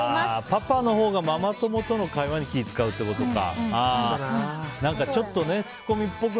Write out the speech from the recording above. パパのほうがママ友との会話に気を遣うってことか。